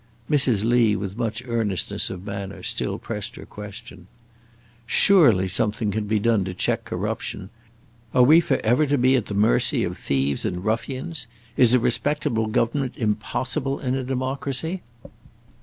Mrs. Lee, with much earnestness of manner, still pressed her question: "Surely something can be done to check corruption. Are we for ever to be at the mercy of thieves and ruffians? Is a respectable government impossible in a democracy?"